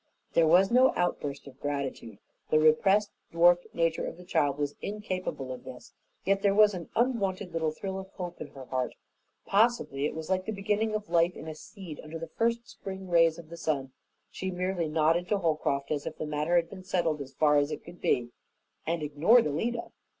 There was no outburst of gratitude. The repressed, dwarfed nature of the child was incapable of this, yet there was an unwonted little thrill of hope in her heart. Possibly it was like the beginning of life in a seed under the first spring rays of the sun. She merely nodded to Holcroft as if the matter had been settled as far as it could be, and ignored Alida.